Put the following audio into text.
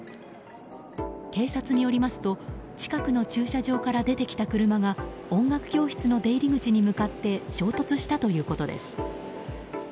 警察によりますと近くの駐車場から出てきた車が音楽教室の出入り口に向かって衝突したということです。